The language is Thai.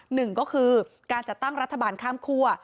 หนึ่งก็คือการจัดตั้งรัฐบาลข้ามคั่ว